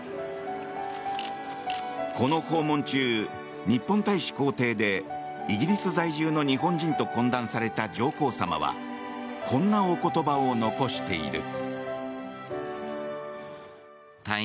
この訪問中、日本大使公邸でイギリス在住の日本人と懇談された上皇さまはこんなお言葉を残している。